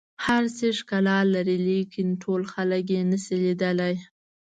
هر څیز ښکلا لري لیکن ټول خلک یې نه شي لیدلی.